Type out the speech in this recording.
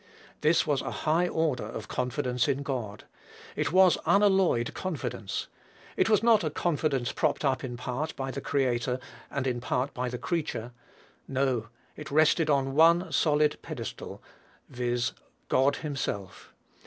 This was a high order of confidence in God; it was unalloyed confidence; it was not a confidence propped up in part by the Creator and in part by the creature. No; it rested on one solid pedestal, viz., God himself.